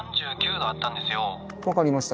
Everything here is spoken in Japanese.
分かりました。